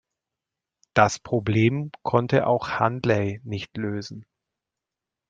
Das Problem konnte auch Handley nicht lösen.